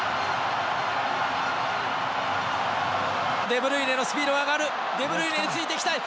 デブルイネのスピードが上がるデブルイネについていきたい！